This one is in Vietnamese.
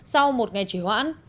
sau một ngày chỉ hoãn